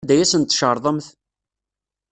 Anda ay asen-tcerḍemt?